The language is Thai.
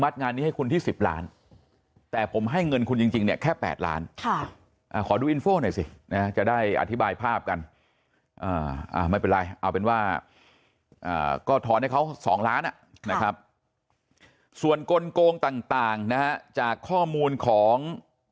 ให้คุณที่๑๐ล้านแต่ผมให้เงินคุณจริงเนี่ยแค่๘ล้านขอดูอินโฟลหน่อยสินะจะได้อธิบายภาพกันไม่เป็นไรเอาเป็นว่าก็ทอนให้เขา๒ล้านนะครับส่วนกลงต่างนะฮะจากข้อมูลของ